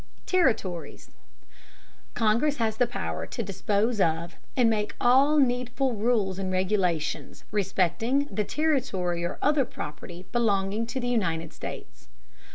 Territories. Congress has the power to dispose of, and make all needful rules and regulations respecting, the territory or other property belonging to the United States.